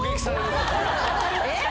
えっ？